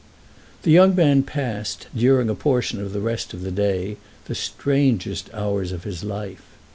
The young man passed, during a portion of the rest of the day, the strangest hours of his life.